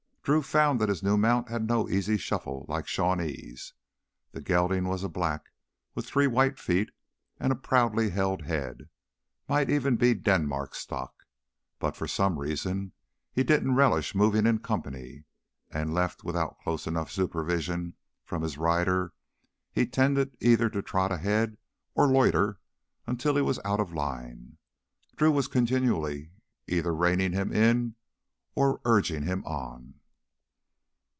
Drew found his new mount had no easy shuffle like Shawnee's. The gelding was a black with three white feet and a proudly held head might even be Denmark stock but for some reason he didn't relish moving in company. And, left without close enough supervision from his rider, he tended either to trot ahead or loiter until he was out of line. Drew was continually either reining him in or urging him on.